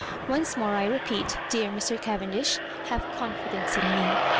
Olcc more I repeat, dear Mr. Cavendish, have con fidence in me.